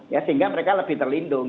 ya sehingga mereka lebih terlindung